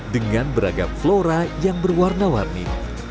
dengan beragam flora yang berwarna warni